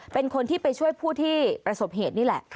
เป็นคนที่ไปช่วยผู้ที่ประสบเหตุนี่แหละ